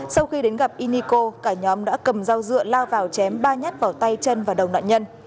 sau khi đến gặp unico cả nhóm đã cầm dao dựa lao vào chém ba nhát vào tay chân và đầu nạn nhân